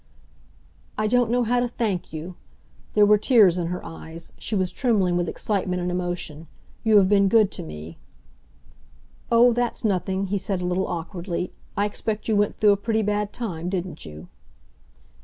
"I don't know how to thank you!" There were tears in her eyes. She was trembling with excitement and emotion. "You have been good to me." "Oh, that's nothing," he said a little awkwardly. "I expect you went though a pretty bad time, didn't you?"